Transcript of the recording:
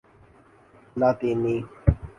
لاطینی